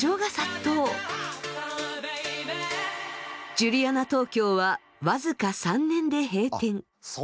ジュリアナ東京は僅か３年で閉店。